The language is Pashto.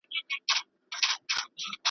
بیا پسرلی سو دښتونه شنه سول .